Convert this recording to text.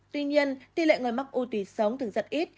tuy nhiên tỷ lệ người mắc u tỷ sống thường rất ít